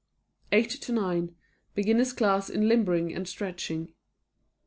8:00 to 9:00 Beginners' Class in Limbering and Stretching.